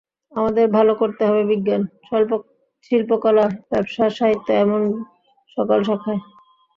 আমাদের ভালো করতে হবে বিজ্ঞান, শিল্পকলা, ব্যবসা, সাহিত্য এমন সকল শাখায়।